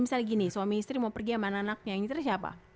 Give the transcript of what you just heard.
soalnya suami istri mau pergi sama anaknya yang nyetir siapa